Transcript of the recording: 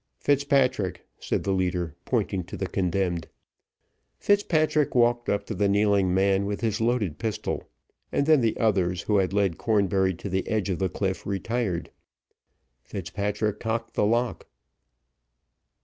"Fitzpatrick," said the leader, pointing to the condemned. Fitzpatrick walked up to the kneeling man with his loaded pistol, and then the others, who had led Cornbury to the edge of the cliff, retired. Fitzpatrick cocked the lock.